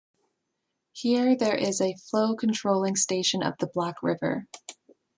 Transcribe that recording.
Here there is a flow controlling station of the Black river.